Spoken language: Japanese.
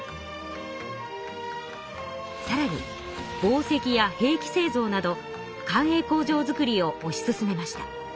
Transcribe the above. さらに紡績や兵器製造など官営工場造りを推し進めました。